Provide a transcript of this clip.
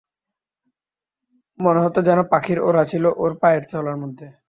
মনে হত যেন পাখির ওড়া ছিল ওর পায়ের চলার মধ্যে।